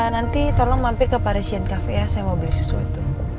nanti tolong mampir ke parisian cafe ya saya mau beli sesuatu